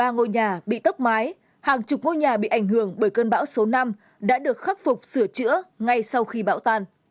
ba ngôi nhà bị tốc mái hàng chục ngôi nhà bị ảnh hưởng bởi cơn bão số năm đã được khắc phục sửa chữa ngay sau khi bão tan